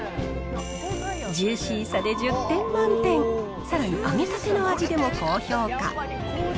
ジューシーさで１０点満点、さらに揚げたての味でも高評価。